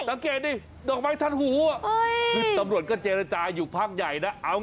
สังเกตดิดอกไม้ทันหูคือตำรวจก็เจรจาอยู่พักใหญ่นะ